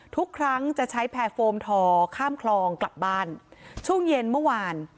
ทุกครั้งจะใช้แพรโฟมทอข้ามคลองกลับบ้านช่วงเย็นเมื่อวาน